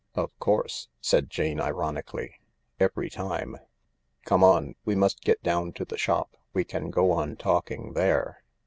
"Of course," said Jane ironically, "every time. Come 170 THE LARK on— we must get down to the shop. We can go on talking there."